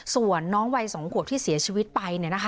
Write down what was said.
ส่วนน้องวัย๒ขวบที่เสียชีวิตไป